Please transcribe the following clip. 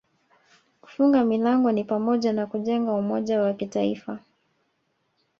kufunga milango ni pamoja na kujenga umoja wa kitaifa